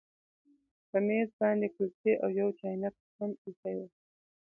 په میز باندې کلچې او یو چاینک هم ایښي وو